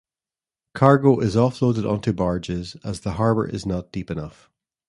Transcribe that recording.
Cargo is off-loaded onto barges as the harbour is not deep enough.